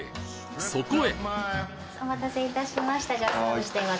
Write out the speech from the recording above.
そこへお待たせいたしました。